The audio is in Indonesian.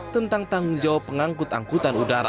tentang tanggung jawab pengangkut angkutan udara